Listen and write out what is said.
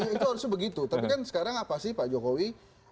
itu harusnya begitu tapi kan sekarang apa sih pak jokowi